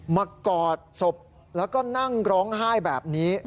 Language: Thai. กอดศพแล้วก็นั่งร้องไห้แบบนี้